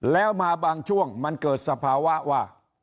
แล้วมาบางช่วงมันเกิดสภาวะว่า